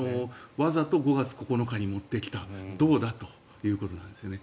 わざと５月９日に持ってきたどうだということなんですよね。